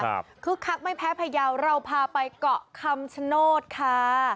คึกคักไม่แพ้พยาวเราพาไปเกาะคำชโนธค่ะ